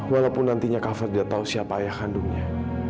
walaupun nantinya cover tidak tahu siapa ayah kandungnya